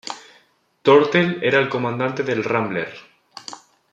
Tortel era el comandante del "Rambler".